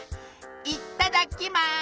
いただきます！